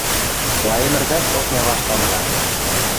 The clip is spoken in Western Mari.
Лаэмӹржӓт окня вашт анжа.